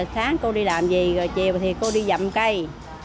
sáng cô đi làm gì chiều thì cô đi dặm cây